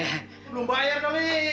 belum bayar kami